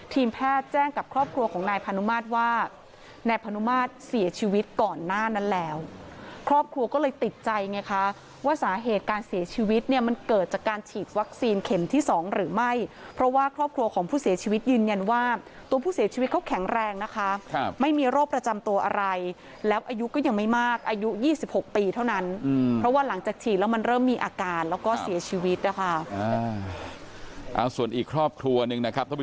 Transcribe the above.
ทีมแพทย์แจ้งกับครอบครัวของนายพนุมาสว่าแนบพนุมาสเสียชีวิตก่อนหน้านั้นแล้วครอบครัวก็เลยติดใจไงคะว่าสาเหตุการเสียชีวิตเนี่ยมันเกิดจากการฉีดวัคซีนเข็มที่๒หรือไม่เพราะว่าครอบครัวของผู้เสียชีวิตยืนยันว่าตัวผู้เสียชีวิตเขาแข็งแรงนะคะไม่มีโรคประจำตัวอะไรแล้วอายุก็ยังไม่มากอายุ